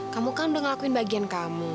kamu kan udah ngelakuin bagian kamu